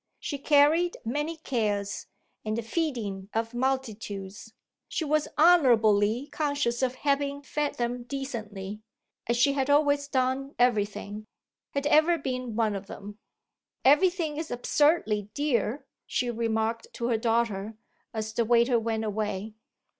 She carried many cares, and the feeding of multitudes she was honourably conscious of having fed them decently, as she had always done everything had ever been one of them. "Everything's absurdly dear," she remarked to her daughter as the waiter went away.